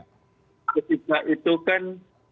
ketika itu kan